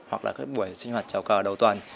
hoặc là các buổi sinh hoạt trào cờ đầu tuần